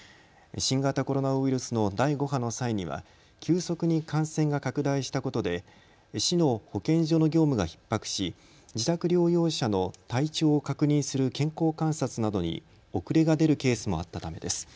新型コロナウイルスの第５波の際には急速に感染が拡大したことで市の保健所の業務がひっ迫し、自宅療養者の体調を確認する健康観察などに遅れが出るケースもあったためです。